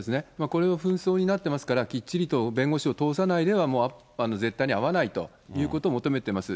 これを紛争になってますから、きっちりと弁護士を通さないでは絶対に会わないということを求めてます。